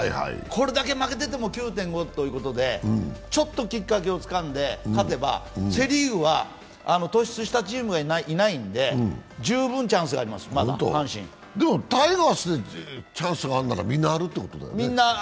これだけ負けてても９．５ということで、ちょっときっかけをつかんで勝てば、セ・リーグは突出したチームがいないので、十分まだチャンスがあります、阪神タイガースにチャンスがあるならみんなるということだよね。